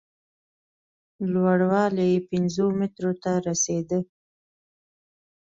لوړوالی یې پینځو مترو ته رسېده.